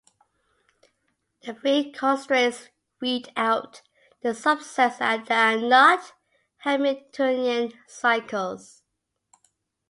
The three constraints "weed out" the subsets that are not Hamiltonian cycles.